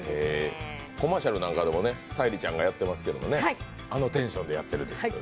コマーシャルなんかでも沙莉ちゃんがやってますけどあのテンションでやってる。